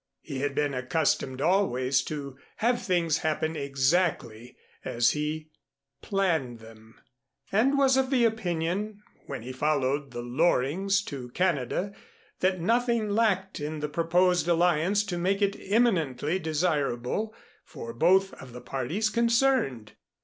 He had been accustomed always to have things happen exactly as he planned them, and was of the opinion, when he followed the Lorings to Canada, that nothing lacked in the proposed alliance to make it eminently desirable for both of the parties concerned.